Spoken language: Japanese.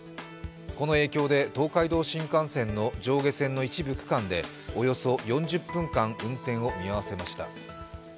この影響で東海道新幹線の上下線の一部区間でおよそ４０分間、運転を見合わせました。